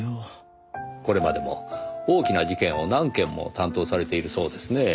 これまでも大きな事件を何件も担当されているそうですねぇ。